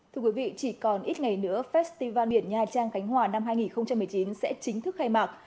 thưa quý vị chỉ còn ít ngày nữa festival biển nha trang khánh hòa năm hai nghìn một mươi chín sẽ chính thức khai mạc